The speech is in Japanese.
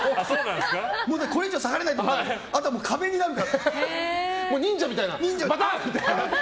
これ以上、下がれないと思ってあとは壁になるから。